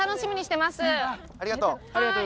ありがとう。